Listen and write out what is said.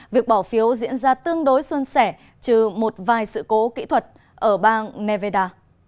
việc bỏ phiếu diễn ra tương đối xuân sẻ trừ một vài sự cố kỹ thuật ở bang nevada